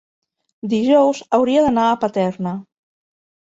Dijous hauria d'anar a Paterna.